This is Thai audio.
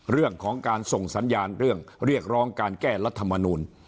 เรื่องของการส่งสัญญาณเรื่องเรียกร้องการแก้รัฐมนูล